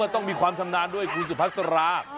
เออมันต้องมีความสำนาญด้วยคุณสุภาษฎรา